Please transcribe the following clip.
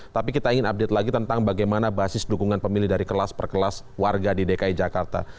tapi kita ingin update lagi tentang bagaimana basis dukungan pemilih dari kelas per kelas warga di dki jakarta